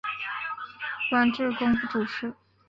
官至工部主事。